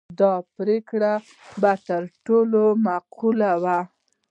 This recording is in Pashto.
دا پرېکړه به تر ټولو معقوله وي.